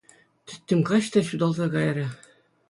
Тӗттӗм каҫ та ҫуталса кайрӗ.